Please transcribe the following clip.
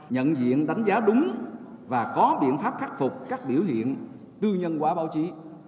nhận diện đánh giá đúng và có biện pháp khắc phục các biểu hiện tư nhân quá báo chí